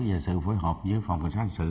về sự phối hợp giữa phòng cảnh sát sự